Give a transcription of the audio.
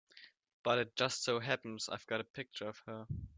But it just so happens I've got a picture of her.